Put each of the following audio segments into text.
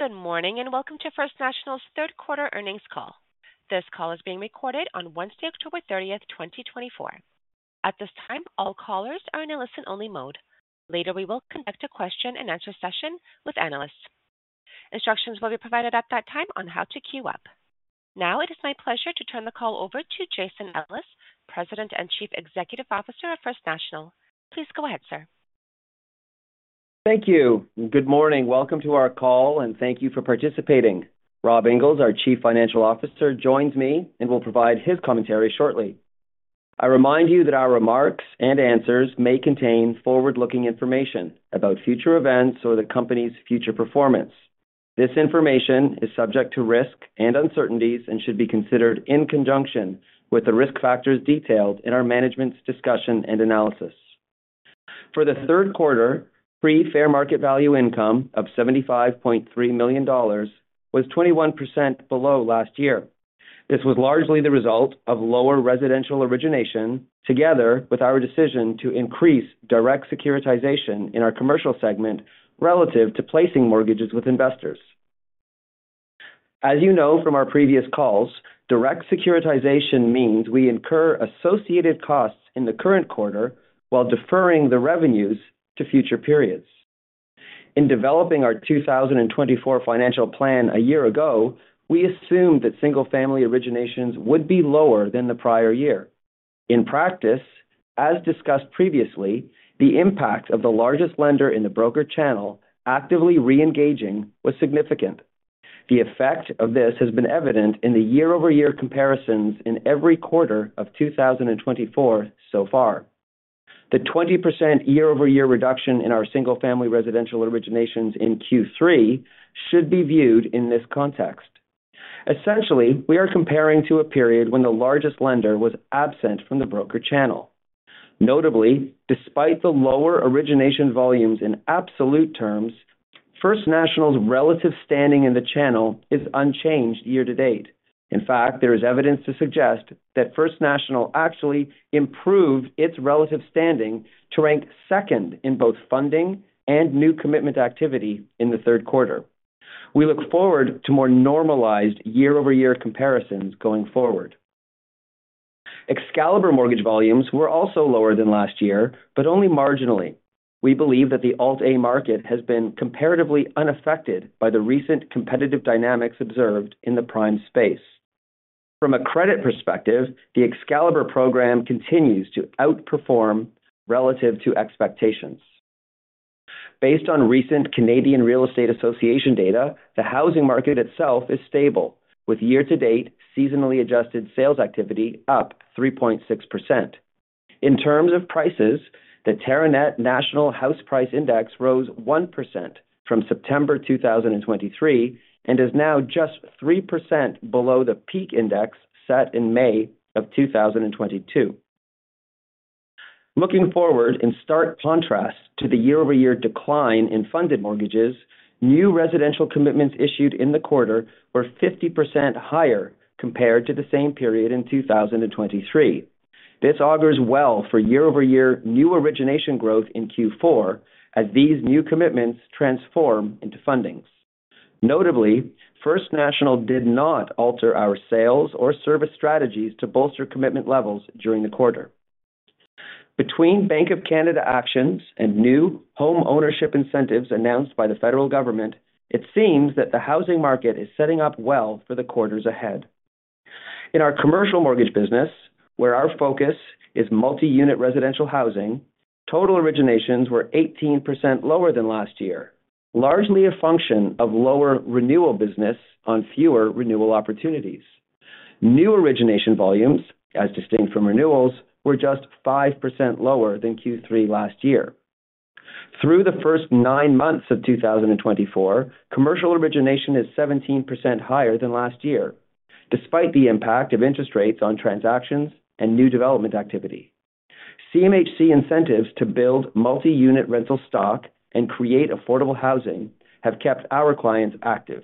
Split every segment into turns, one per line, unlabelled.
Good morning and welcome to First National's third quarter earnings call. This call is being recorded on Wednesday, October 30th, 2024. At this time, all callers are in a listen-only mode. Later, we will conduct a question-and-answer session with analysts. Instructions will be provided at that time on how to queue up. Now, it is my pleasure to turn the call over to Jason Ellis, President and Chief Executive Officer of First National. Please go ahead, sir.
Thank you. Good morning. Welcome to our call, and thank you for participating. Rob Inglis, our Chief Financial Officer, joins me and will provide his commentary shortly. I remind you that our remarks and answers may contain forward-looking information about future events or the company's future performance. This information is subject to risk and uncertainties and should be considered in conjunction with the risk factors detailed in our management's discussion and analysis. For the third quarter, pre-fair market value income of 75.3 million dollars was 21% below last year. This was largely the result of lower residential origination, together with our decision to increase direct securitization in our commercial segment relative to placing mortgages with investors. As you know from our previous calls, direct securitization means we incur associated costs in the current quarter while deferring the revenues to future periods. In developing our 2024 financial plan a year ago, we assumed that single-family originations would be lower than the prior year. In practice, as discussed previously, the impact of the largest lender in the broker channel actively re-engaging was significant. The effect of this has been evident in the year-over-year comparisons in every quarter of 2024 so far. The 20% year-over-year reduction in our single-family residential originations in Q3 should be viewed in this context. Essentially, we are comparing to a period when the largest lender was absent from the broker channel. Notably, despite the lower origination volumes in absolute terms, First National's relative standing in the channel is unchanged year to date. In fact, there is evidence to suggest that First National actually improved its relative standing to rank second in both funding and new commitment activity in the third quarter. We look forward to more normalized year-over-year comparisons going forward. Excalibur mortgage volumes were also lower than last year, but only marginally. We believe that the Alt-A market has been comparatively unaffected by the recent competitive dynamics observed in the prime space. From a credit perspective, the Excalibur program continues to outperform relative to expectations. Based on recent Canadian Real Estate Association data, the housing market itself is stable, with year-to-date seasonally adjusted sales activity up 3.6%. In terms of prices, the Teranet National House Price Index rose 1% from September 2023 and is now just 3% below the peak index set in May of 2022. Looking forward, in stark contrast to the year-over-year decline in funded mortgages, new residential commitments issued in the quarter were 50% higher compared to the same period in 2023. This augurs well for year-over-year new origination growth in Q4, as these new commitments transform into fundings. Notably, First National did not alter our sales or service strategies to bolster commitment levels during the quarter. Between Bank of Canada actions and new homeownership incentives announced by the federal government, it seems that the housing market is setting up well for the quarters ahead. In our commercial mortgage business, where our focus is multi-unit residential housing, total originations were 18% lower than last year, largely a function of lower renewal business on fewer renewal opportunities. New origination volumes, as distinct from renewals, were just 5% lower than Q3 last year. Through the first nine months of 2024, commercial origination is 17% higher than last year, despite the impact of interest rates on transactions and new development activity. CMHC incentives to build multi-unit rental stock and create affordable housing have kept our clients active.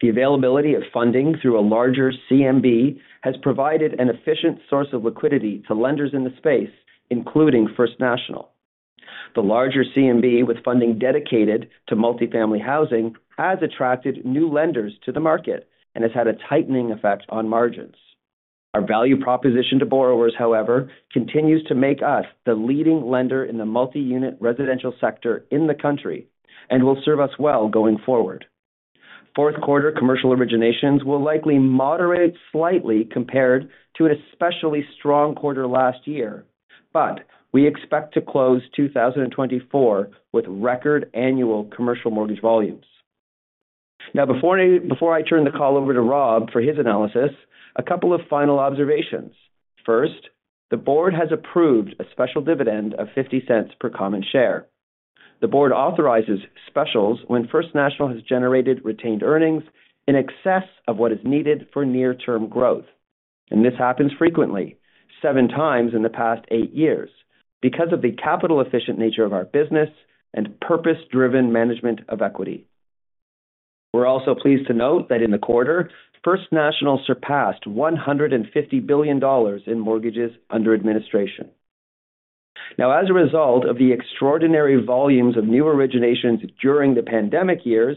The availability of funding through a larger CMB has provided an efficient source of liquidity to lenders in the space, including First National. The larger CMB, with funding dedicated to multi-family housing, has attracted new lenders to the market and has had a tightening effect on margins. Our value proposition to borrowers, however, continues to make us the leading lender in the multi-unit residential sector in the country and will serve us well going forward. Fourth quarter commercial originations will likely moderate slightly compared to an especially strong quarter last year, but we expect to close 2024 with record annual commercial mortgage volumes. Now, before I turn the call over to Rob for his analysis, a couple of final observations. First, the board has approved a special dividend of 0.50 per common share. The board authorizes specials when First National has generated retained earnings in excess of what is needed for near-term growth, and this happens frequently, seven times in the past eight years, because of the capital-efficient nature of our business and purpose-driven management of equity. We're also pleased to note that in the quarter, First National surpassed 150 billion dollars in mortgages under administration. Now, as a result of the extraordinary volumes of new originations during the pandemic years,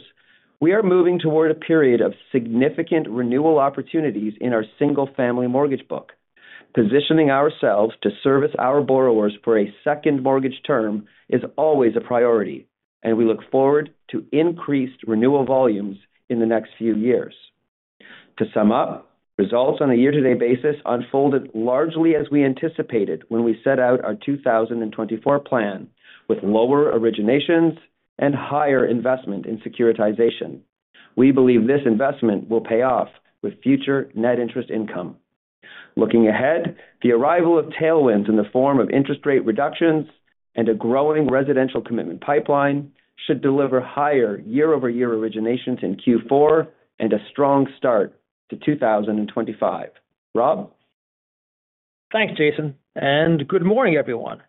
we are moving toward a period of significant renewal opportunities in our single-family mortgage book. Positioning ourselves to service our borrowers for a second mortgage term is always a priority, and we look forward to increased renewal volumes in the next few years. To sum up, results on a year-to-date basis unfolded largely as we anticipated when we set out our 2024 plan, with lower originations and higher investment in securitization. We believe this investment will pay off with future net interest income. Looking ahead, the arrival of tailwinds in the form of interest rate reductions and a growing residential commitment pipeline should deliver higher year-over-year originations in Q4 and a strong start to 2025. Rob?
Thanks, Jason, and good morning, everyone.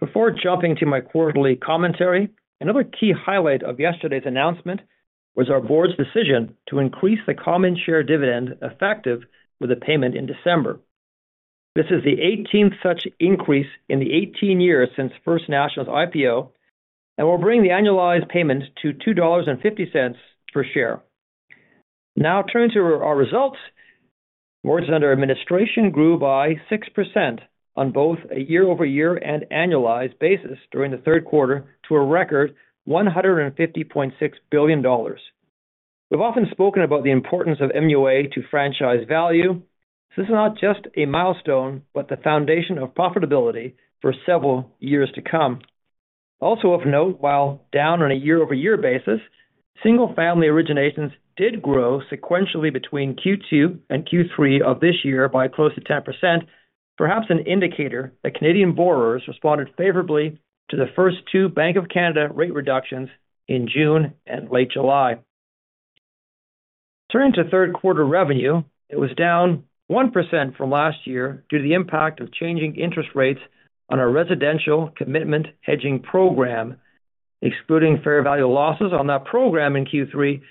Before jumping to my quarterly commentary, another key highlight of yesterday's announcement was our board's decision to increase the common share dividend effective with a payment in December. This is the 18th such increase in the 18 years since First National's IPO, and we'll bring the annualized payment to 2.50 dollars per share. Now, turning to our results, mortgages under administration grew by 6% on both a year-over-year and annualized basis during the third quarter to a record 150.6 billion dollars. We've often spoken about the importance of MUA to franchise value. This is not just a milestone, but the foundation of profitability for several years to come. Also, of note, while down on a year-over-year basis, single-family originations did grow sequentially between Q2 and Q3 of this year by close to 10%, perhaps an indicator that Canadian borrowers responded favorably to the first two Bank of Canada rate reductions in June and late July. Turning to third quarter revenue, it was down 1% from last year due to the impact of changing interest rates on our residential commitment hedging program. Excluding fair value losses on that program in Q3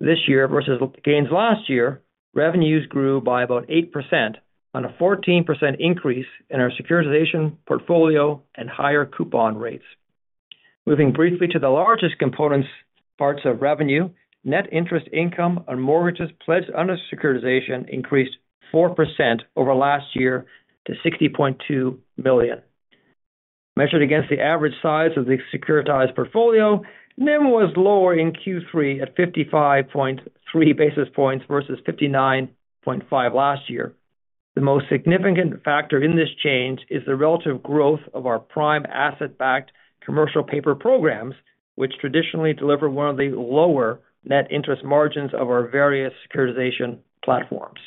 this year versus gains last year, revenues grew by about 8%, on a 14% increase in our securitization portfolio and higher coupon rates. Moving briefly to the largest component parts of revenue, net interest income on mortgages pledged under securitization increased 4% over last year to 60.2 million. Measured against the average size of the securitized portfolio, NIM was lower in Q3 at 55.3 basis points versus 59.5 last year. The most significant factor in this change is the relative growth of our prime asset-backed commercial paper programs, which traditionally deliver one of the lower net interest margins of our various securitization platforms.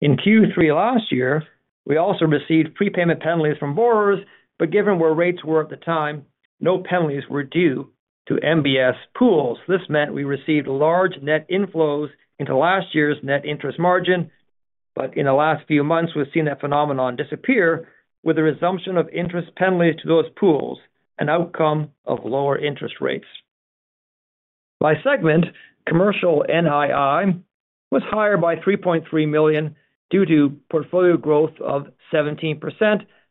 In Q3 last year, we also received prepayment penalties from borrowers, but given where rates were at the time, no penalties were due to MBS pools. This meant we received large net inflows into last year's net interest margin, but in the last few months, we've seen that phenomenon disappear with the resumption of interest penalties to those pools, an outcome of lower interest rates. By segment, commercial NII was higher by 3.3 million due to portfolio growth of 17%,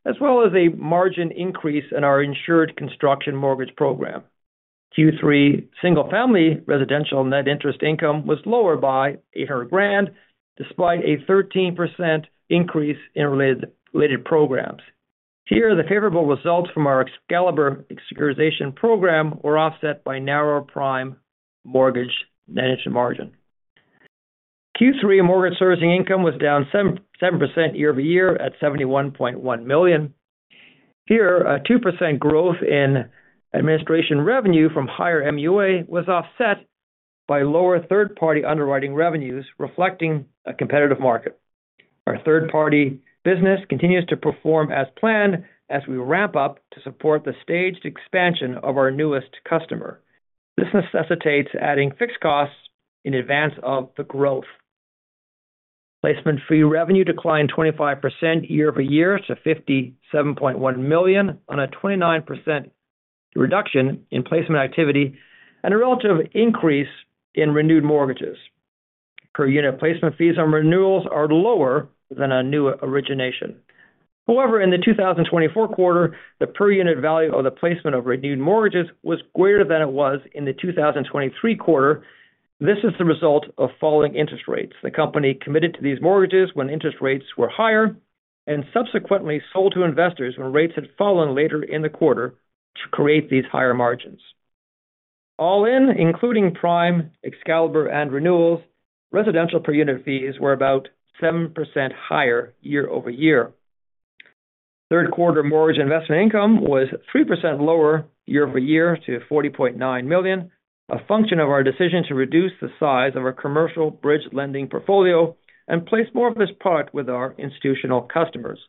as well as a margin increase in our insured construction mortgage program. Q3 single-family residential net interest income was lower by 800,000, despite a 13% increase in related programs. Here, the favorable results from our Excalibur securitization program were offset by narrower prime mortgage net interest margin. Q3 mortgage servicing income was down 7% year-over-year at 71.1 million. Here, a 2% growth in administration revenue from higher MUA was offset by lower third-party underwriting revenues, reflecting a competitive market. Our third-party business continues to perform as planned as we ramp up to support the staged expansion of our newest customer. This necessitates adding fixed costs in advance of the growth. Placement fee revenue declined 25% year-over-year to 57.1 million on a 29% reduction in placement activity and a relative increase in renewed mortgages. Per-unit placement fees on renewals are lower than on new origination. However, in the 2024 quarter, the per-unit value of the placement of renewed mortgages was greater than it was in the 2023 quarter. This is the result of falling interest rates. The company committed to these mortgages when interest rates were higher and subsequently sold to investors when rates had fallen later in the quarter to create these higher margins. All in, including prime, Excalibur, and renewals, residential per-unit fees were about 7% higher year-over-year. Third quarter mortgage investment income was 3% lower year-over-year to 40.9 million, a function of our decision to reduce the size of our commercial bridge lending portfolio and place more of this product with our institutional customers.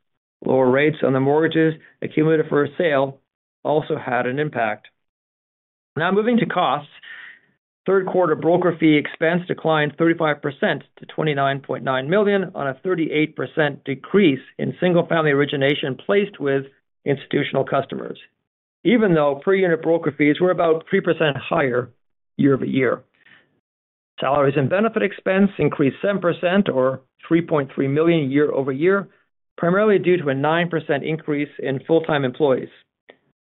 Lower rates on the mortgages accumulated for a sale also had an impact. Now, moving to costs, third quarter broker fee expense declined 35% to 29.9 million on a 38% decrease in single-family origination placed with institutional customers, even though per-unit broker fees were about 3% higher year-over-year. Salaries and benefit expense increased 7% or 3.3 million year-over-year, primarily due to a 9% increase in full-time employees,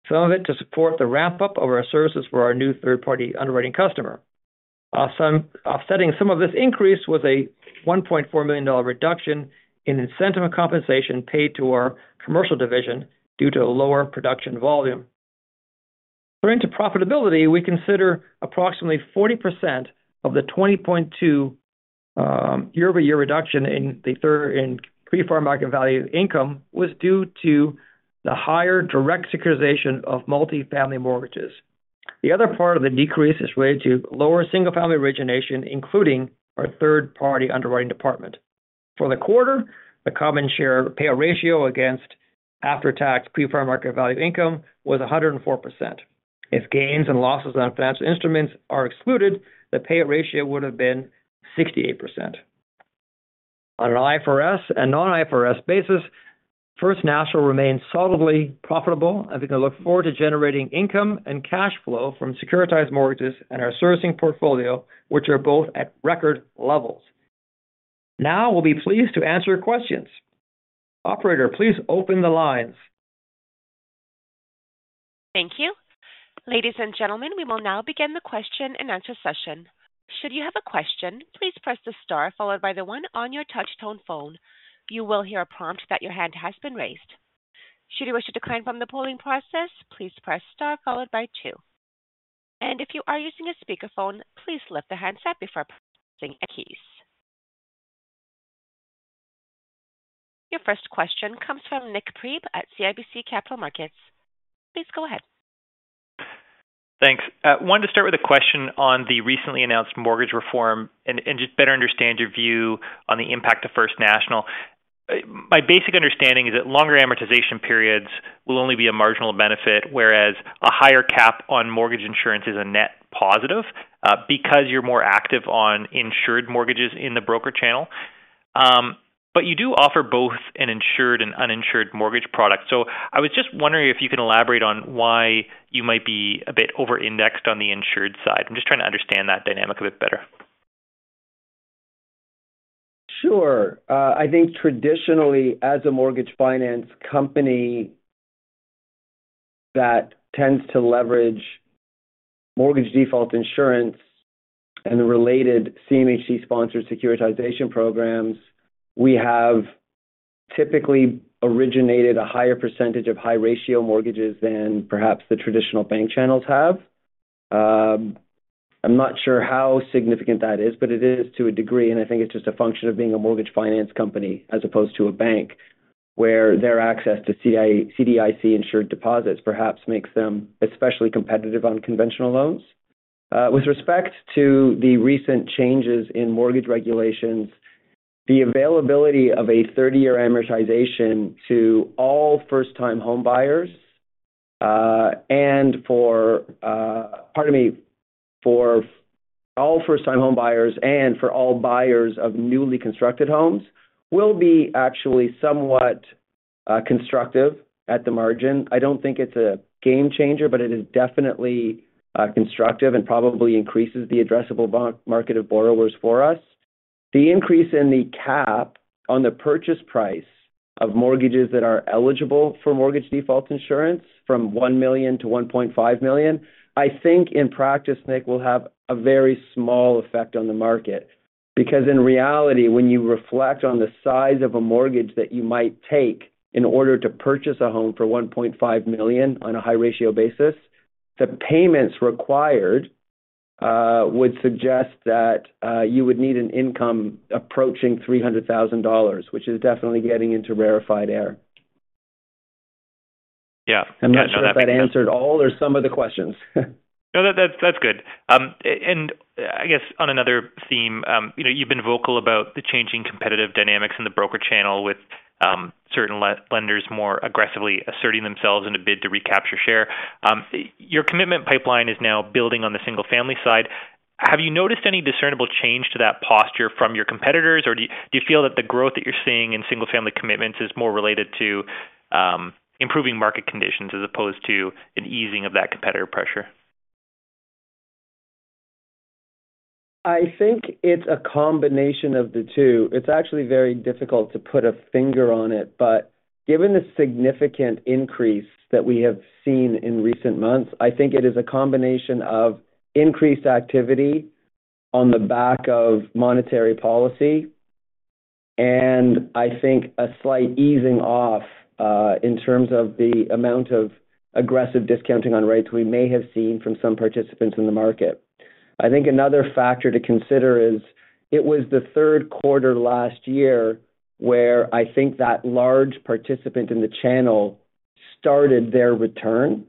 some of it to support the ramp-up of our services for our new third-party underwriting customer. Offsetting some of this increase was a 1.4 million dollar reduction in incentive and compensation paid to our commercial division due to a lower production volume. Turning to profitability, we consider approximately 40% of the 20.2% year-over-year reduction in pre-fair market value income was due to the higher direct securitization of multi-family mortgages. The other part of the decrease is related to lower single-family origination, including our third-party underwriting department. For the quarter, the common share payout ratio against after-tax pre-fair market value income was 104%. If gains and losses on financial instruments are excluded, the payout ratio would have been 68%. On an IFRS and non-IFRS basis, First National remains solidly profitable, and we can look forward to generating income and cash flow from securitized mortgages and our servicing portfolio, which are both at record levels. Now, we'll be pleased to answer your questions. Operator, please open the lines.
Thank you. Ladies and gentlemen, we will now begin the question and answer session. Should you have a question, please press the star followed by the one on your touch-tone phone. You will hear a prompt that your hand has been raised. Should you wish to decline from the polling process, please press star followed by two. And if you are using a speakerphone, please lift the handset up before pressing any keys. Your first question comes from Nikolai Priebe at CIBC Capital Markets. Please go ahead.
Thanks. I wanted to start with a question on the recently announced mortgage reform and just better understand your view on the impact of First National. My basic understanding is that longer amortization periods will only be a marginal benefit, whereas a higher cap on mortgage insurance is a net positive because you're more active on insured mortgages in the broker channel. But you do offer both an insured and uninsured mortgage product. So I was just wondering if you can elaborate on why you might be a bit over-indexed on the insured side. I'm just trying to understand that dynamic a bit better.
Sure. I think traditionally, as a mortgage finance company that tends to leverage mortgage default insurance and the related CMHC-sponsored securitization programs, we have typically originated a higher percentage of high-ratio mortgages than perhaps the traditional bank channels have. I'm not sure how significant that is, but it is to a degree, and I think it's just a function of being a mortgage finance company as opposed to a bank, where their access to CDIC-insured deposits perhaps makes them especially competitive on conventional loans. With respect to the recent changes in mortgage regulations, the availability of a 30-year amortization to all first-time home buyers and for all first-time home buyers and for all buyers of newly constructed homes will be actually somewhat constructive at the margin. I don't think it's a game changer, but it is definitely constructive and probably increases the addressable market of borrowers for us. The increase in the cap on the purchase price of mortgages that are eligible for mortgage default insurance from 1 million to 1.5 million, I think in practice, Nick, will have a very small effect on the market because in reality, when you reflect on the size of a mortgage that you might take in order to purchase a home for 1.5 million on a high-ratio basis, the payments required would suggest that you would need an income approaching 300,000 dollars, which is definitely getting into rarefied air.
Yeah.
I'm not sure that answered all or some of the questions.
No, that's good, and I guess on another theme, you've been vocal about the changing competitive dynamics in the broker channel with certain lenders more aggressively asserting themselves in a bid to recapture share. Your commitment pipeline is now building on the single-family side. Have you noticed any discernible change to that posture from your competitors, or do you feel that the growth that you're seeing in single-family commitments is more related to improving market conditions as opposed to an easing of that competitor pressure?
I think it's a combination of the two. It's actually very difficult to put a finger on it, but given the significant increase that we have seen in recent months, I think it is a combination of increased activity on the back of monetary policy, and I think a slight easing off in terms of the amount of aggressive discounting on rates we may have seen from some participants in the market. I think another factor to consider is it was the third quarter last year where I think that large participant in the channel started their return.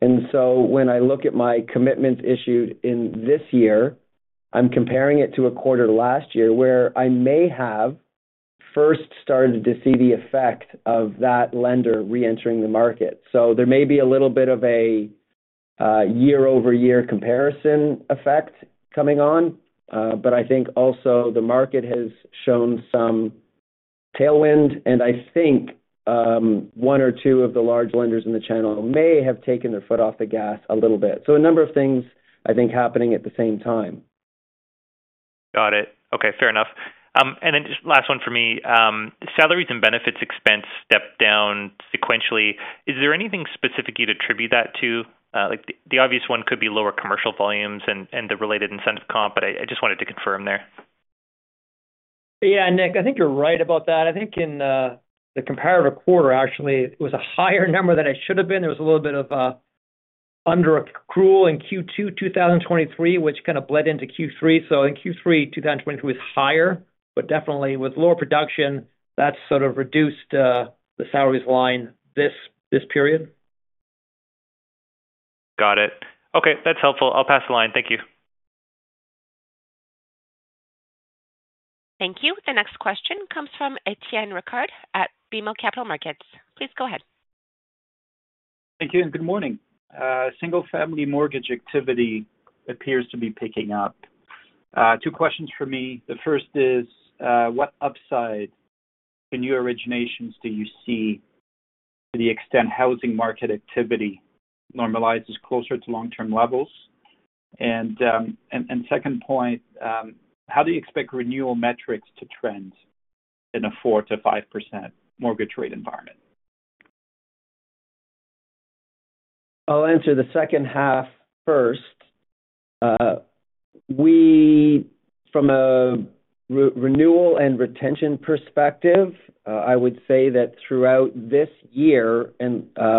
And so when I look at my commitments issued in this year, I'm comparing it to a quarter last year where I may have first started to see the effect of that lender re-entering the market. So there may be a little bit of a year-over-year comparison effect coming on, but I think also the market has shown some tailwind, and I think one or two of the large lenders in the channel may have taken their foot off the gas a little bit. So a number of things, I think, happening at the same time.
Got it. Okay, fair enough. And then just last one for me. Salaries and benefits expense stepped down sequentially. Is there anything specific you'd attribute that to? The obvious one could be lower commercial volumes and the related incentive comp, but I just wanted to confirm there.
Yeah, Nick, I think you're right about that. I think in the comparative quarter, actually, it was a higher number than it should have been. There was a little bit of under-accrual in Q2 2023, which kind of bled into Q3. So I think Q3 2023 was higher, but definitely with lower production, that sort of reduced the salaries line this period.
Got it. Okay, that's helpful. I'll pass the line. Thank you.
Thank you. The next question comes from Étienne Ricard at BMO Capital Markets. Please go ahead.
Thank you and good morning. Single-family mortgage activity appears to be picking up. Two questions for me. The first is, what upside in new originations do you see to the extent housing market activity normalizes closer to long-term levels? And second point, how do you expect renewal metrics to trend in a 4% to 5% mortgage rate environment?
I'll answer the second half first. From a renewal and retention perspective, I would say that throughout this year,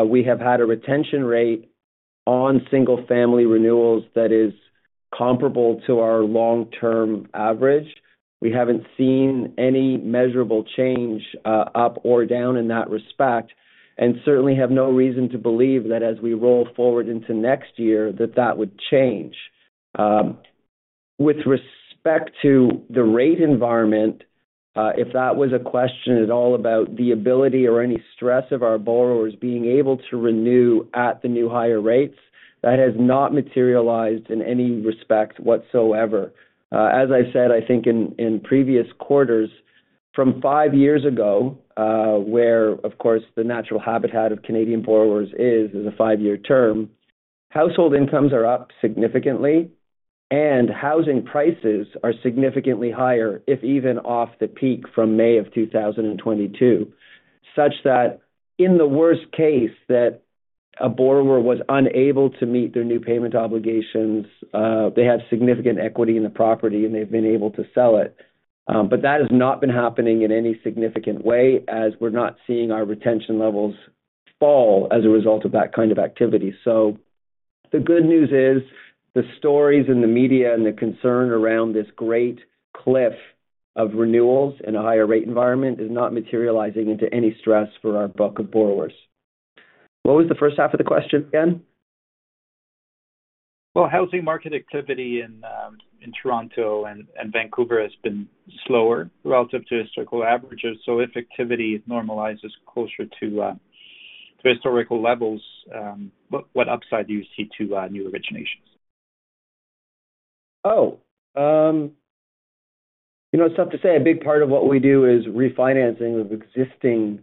we have had a retention rate on single-family renewals that is comparable to our long-term average. We haven't seen any measurable change up or down in that respect, and certainly have no reason to believe that as we roll forward into next year, that that would change. With respect to the rate environment, if that was a question at all about the ability or any stress of our borrowers being able to renew at the new higher rates, that has not materialized in any respect whatsoever. As I said, I think in previous quarters, from five years ago, where, of course, the natural habitat of Canadian borrowers is a five-year term, household incomes are up significantly, and housing prices are significantly higher, if even off the peak from May of 2022, such that in the worst case, that a borrower was unable to meet their new payment obligations, they have significant equity in the property, and they've been able to sell it. But that has not been happening in any significant way, as we're not seeing our retention levels fall as a result of that kind of activity. So the good news is the stories in the media and the concern around this great cliff of renewals in a higher rate environment is not materializing into any stress for our book of borrowers. What was the first half of the question again?
Housing market activity in Toronto and Vancouver has been slower relative to historical averages. If activity normalizes closer to historical levels, what upside do you see to new originations?
Oh, it's tough to say. A big part of what we do is refinancing of existing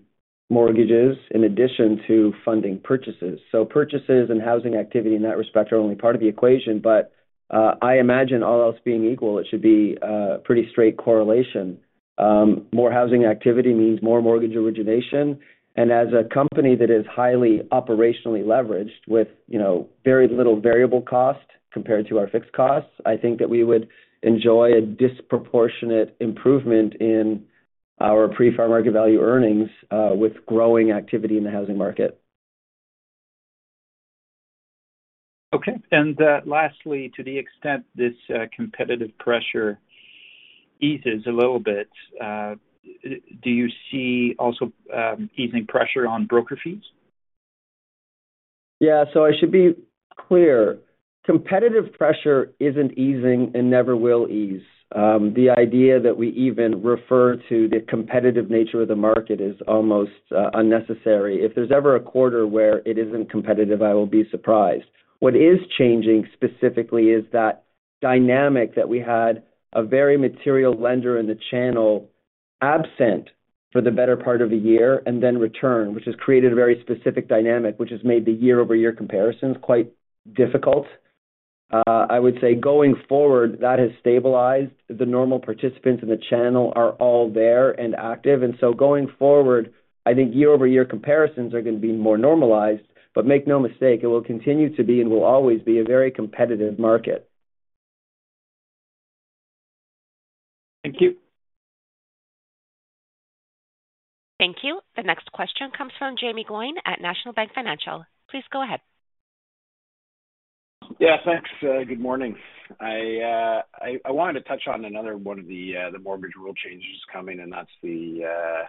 mortgages in addition to funding purchases. So purchases and housing activity in that respect are only part of the equation, but I imagine all else being equal, it should be a pretty straight correlation. More housing activity means more mortgage origination. And as a company that is highly operationally leveraged with very little variable cost compared to our fixed costs, I think that we would enjoy a disproportionate improvement in our pre-fair market value earnings with growing activity in the housing market.
Okay, and lastly, to the extent this competitive pressure eases a little bit, do you see also easing pressure on broker fees?
Yeah. So I should be clear. Competitive pressure isn't easing and never will ease. The idea that we even refer to the competitive nature of the market is almost unnecessary. If there's ever a quarter where it isn't competitive, I will be surprised. What is changing specifically is that dynamic that we had a very material lender in the channel absent for the better part of a year and then return, which has created a very specific dynamic, which has made the year-over-year comparisons quite difficult. I would say going forward, that has stabilized. The normal participants in the channel are all there and active. And so going forward, I think year-over-year comparisons are going to be more normalized, but make no mistake, it will continue to be and will always be a very competitive market.
Thank you.
Thank you. The next question comes from Jaeme Gloyn at National Bank Financial. Please go ahead.
Yeah, thanks. Good morning. I wanted to touch on another one of the mortgage rule changes coming, and that's the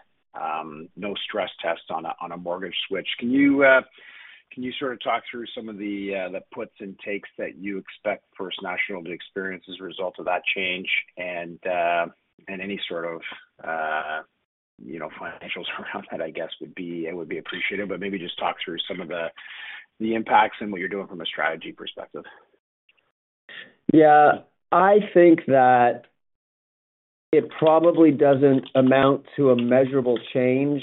no stress test on a mortgage switch. Can you sort of talk through some of the puts and takes that you expect First National to experience as a result of that change and any sort of financials around that, I guess, would be appreciated? But maybe just talk through some of the impacts and what you're doing from a strategy perspective.
Yeah. I think that it probably doesn't amount to a measurable change,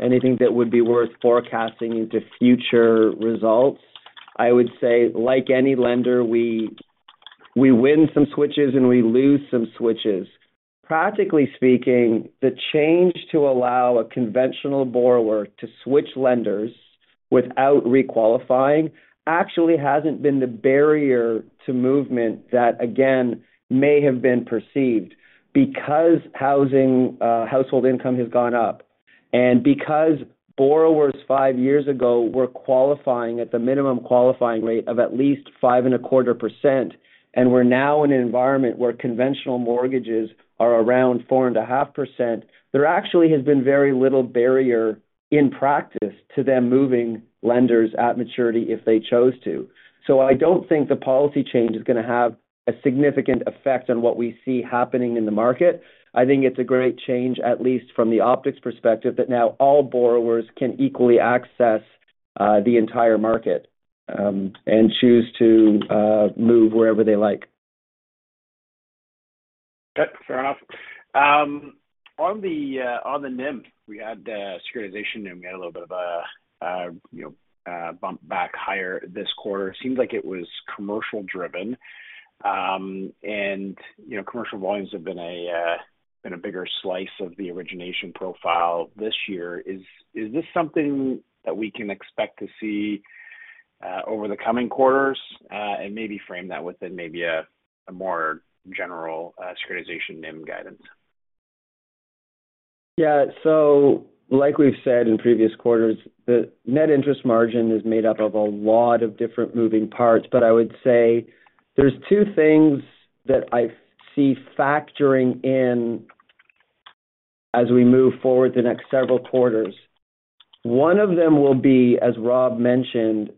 anything that would be worth forecasting into future results. I would say, like any lender, we win some switches and we lose some switches. Practically speaking, the change to allow a conventional borrower to switch lenders without requalifying actually hasn't been the barrier to movement that, again, may have been perceived because household income has gone up, and because borrowers five years ago were qualifying at the minimum qualifying rate of at least 5.25%, and we're now in an environment where conventional mortgages are around 4.5%, there actually has been very little barrier in practice to them moving lenders at maturity if they chose to, so I don't think the policy change is going to have a significant effect on what we see happening in the market. I think it's a great change, at least from the optics perspective, that now all borrowers can equally access the entire market and choose to move wherever they like.
Okay, fair enough. On the NIM, we had securitization, and we had a little bit of a bump back higher this quarter. It seemed like it was commercial-driven, and commercial volumes have been a bigger slice of the origination profile this year. Is this something that we can expect to see over the coming quarters and maybe frame that within maybe a more general securitization NIM guidance?
Yeah. So like we've said in previous quarters, the net interest margin is made up of a lot of different moving parts, but I would say there's two things that I see factoring in as we move forward the next several quarters. One of them will be, as Rob mentioned,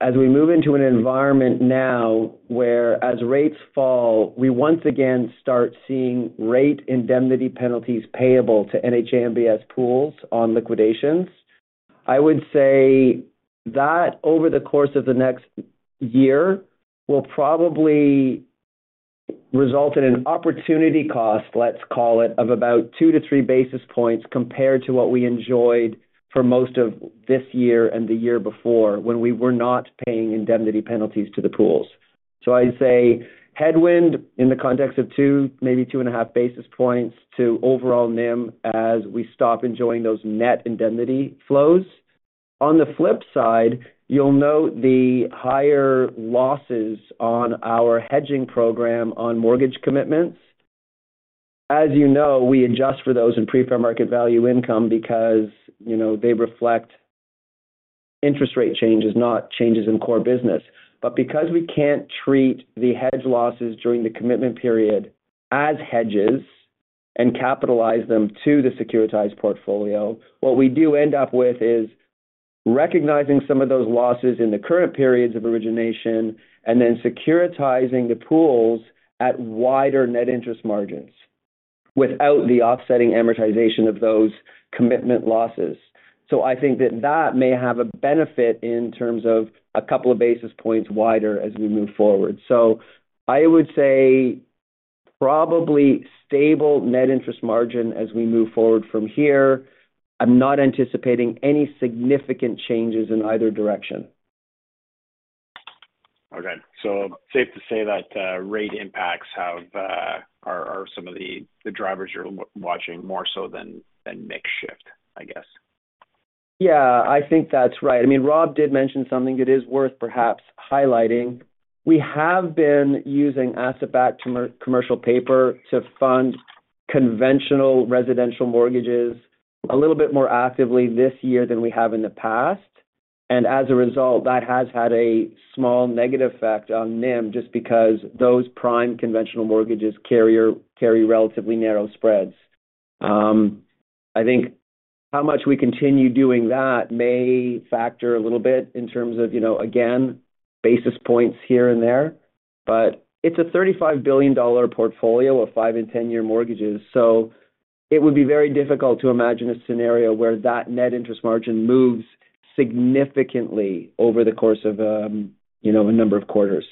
as we move into an environment now where, as rates fall, we once again start seeing rate indemnity penalties payable to NHA MBS pools on liquidations. I would say that over the course of the next year will probably result in an opportunity cost, let's call it, of about two to three basis points compared to what we enjoyed for most of this year and the year before when we were not paying indemnity penalties to the pools. So I'd say headwind in the context of two, maybe two and a half basis points to overall NIM as we stop enjoying those net indemnity flows. On the flip side, you'll note the higher losses on our hedging program on mortgage commitments. As you know, we adjust for those in pre-fair market value income because they reflect interest rate changes, not changes in core business. But because we can't treat the hedge losses during the commitment period as hedges and capitalize them to the securitized portfolio, what we do end up with is recognizing some of those losses in the current periods of origination and then securitizing the pools at wider net interest margins without the offsetting amortization of those commitment losses. So I think that may have a benefit in terms of a couple of basis points wider as we move forward. I would say probably stable net interest margin as we move forward from here. I'm not anticipating any significant changes in either direction.
Okay, so safe to say that rate impacts are some of the drivers you're watching more so than makeshift, I guess?
Yeah, I think that's right. I mean, Rob did mention something that is worth perhaps highlighting. We have been using asset-backed commercial paper to fund conventional residential mortgages a little bit more actively this year than we have in the past. And as a result, that has had a small negative effect on NIM just because those prime conventional mortgages carry relatively narrow spreads. I think how much we continue doing that may factor a little bit in terms of, again, basis points here and there. But it's a 35 billion dollar portfolio of five- and 10-year mortgages, so it would be very difficult to imagine a scenario where that net interest margin moves significantly over the course of a number of quarters.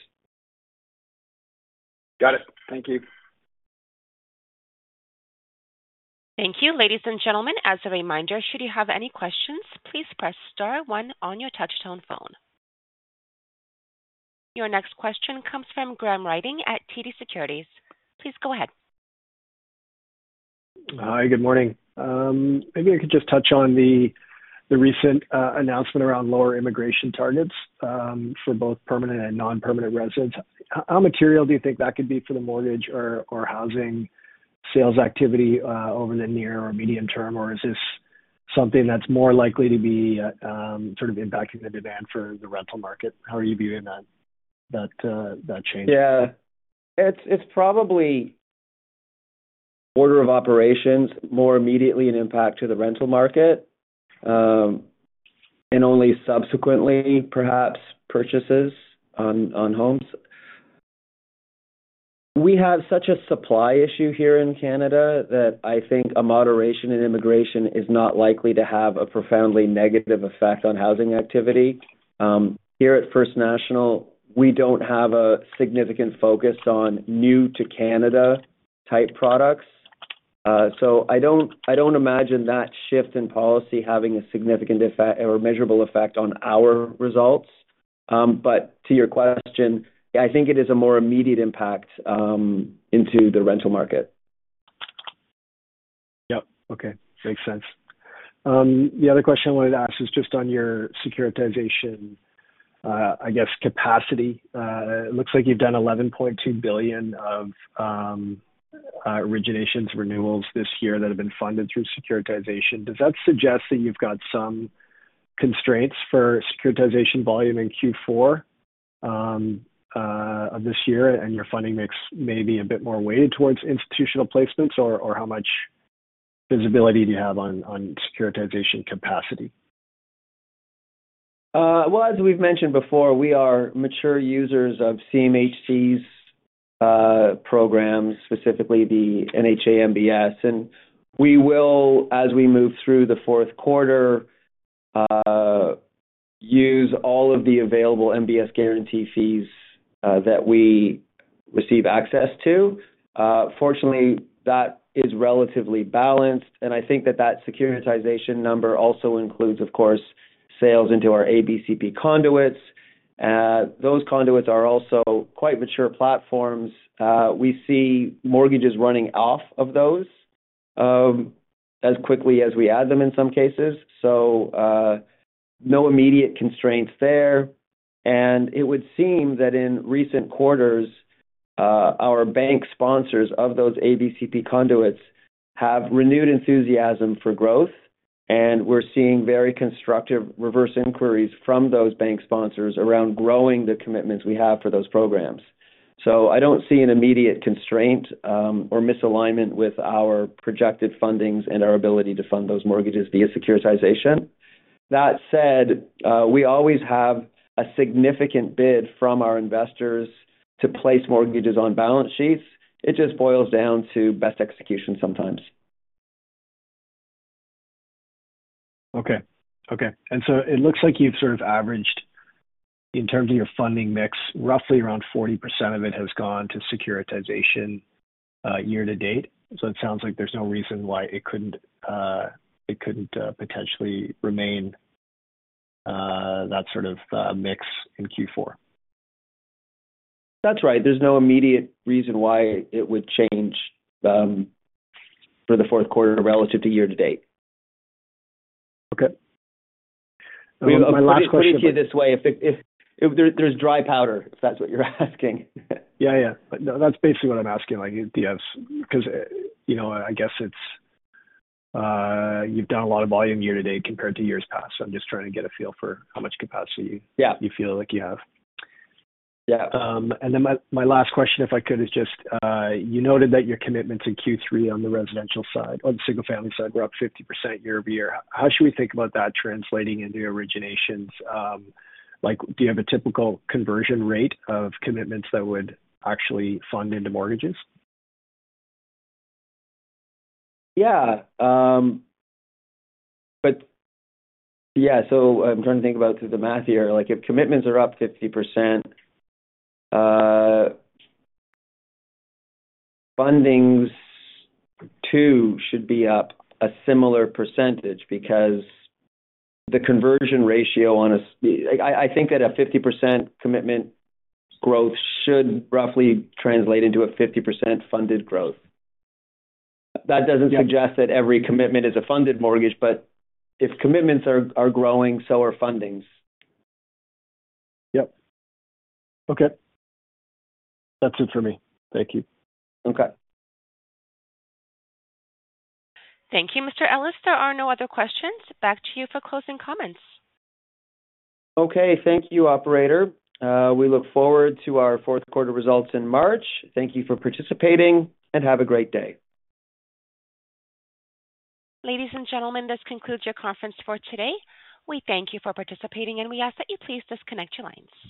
Got it. Thank you.
Thank you, ladies and gentlemen. As a reminder, should you have any questions, please press star one on your touch-tone phone. Your next question comes from Graham Ryding at TD Securities. Please go ahead.
Hi, good morning. Maybe I could just touch on the recent announcement around lower immigration targets for both permanent and non-permanent residents. How material do you think that could be for the mortgage or housing sales activity over the near or medium term, or is this something that's more likely to be sort of impacting the demand for the rental market? How are you viewing that change?
Yeah. It's probably order of operations more immediately an impact to the rental market and only subsequently, perhaps, purchases on homes. We have such a supply issue here in Canada that I think a moderation in immigration is not likely to have a profoundly negative effect on housing activity. Here at First National, we don't have a significant focus on new-to-Canada type products. So I don't imagine that shift in policy having a significant or measurable effect on our results. But to your question, I think it is a more immediate impact into the rental market.
Yep. Okay. Makes sense. The other question I wanted to ask is just on your securitization, I guess, capacity. It looks like you've done 11.2 billion of originations renewals this year that have been funded through securitization. Does that suggest that you've got some constraints for securitization volume in Q4 of this year and your funding mix may be a bit more weighted towards institutional placements, or how much visibility do you have on securitization capacity?
As we've mentioned before, we are mature users of CMHC's programs, specifically the NHA MBS. We will, as we move through the fourth quarter, use all of the available MBS guarantee fees that we receive access to. Fortunately, that is relatively balanced. I think that that securitization number also includes, of course, sales into our ABCP conduits. Those conduits are also quite mature platforms. We see mortgages running off of those as quickly as we add them in some cases. No immediate constraints there. It would seem that in recent quarters, our bank sponsors of those ABCP conduits have renewed enthusiasm for growth, and we're seeing very constructive reverse inquiries from those bank sponsors around growing the commitments we have for those programs. I don't see an immediate constraint or misalignment with our projected fundings and our ability to fund those mortgages via securitization. That said, we always have a significant bid from our investors to place mortgages on balance sheets. It just boils down to best execution sometimes.
Okay. And so it looks like you've sort of averaged, in terms of your funding mix, roughly around 40% of it has gone to securitization year to date. So it sounds like there's no reason why it couldn't potentially remain that sort of mix in Q4.
That's right. There's no immediate reason why it would change for the fourth quarter relative to year to date.
Okay. My last question.
I mean, let's put it this way. If there's dry powder, if that's what you're asking.
Yeah, yeah. No, that's basically what I'm asking. Because I guess you've done a lot of volume year to date compared to years past. I'm just trying to get a feel for how much capacity you feel like you have. And then my last question, if I could, is just you noted that your commitments in Q3 on the residential side or the single-family side were up 50% year-over-year. How should we think about that translating into originations? Do you have a typical conversion rate of commitments that would actually fund into mortgages?
Yeah. But yeah, so I'm trying to think about the math here. If commitments are up 50%, fundings too should be up a similar percentage because the conversion ratio on a I think that a 50% commitment growth should roughly translate into a 50% funded growth. That doesn't suggest that every commitment is a funded mortgage, but if commitments are growing, so are fundings.
Yep. Okay. That's it for me. Thank you.
Okay.
Thank you, Mr. Ellis. There are no other questions. Back to you for closing comments.
Okay. Thank you, Operator. We look forward to our fourth quarter results in March. Thank you for participating, and have a great day.
Ladies and gentlemen, this concludes your conference for today. We thank you for participating, and we ask that you please disconnect your lines.